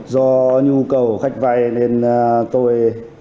do nhu cầu khách vay nên tôi